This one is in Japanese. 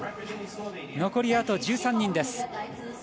残りあと１３人です。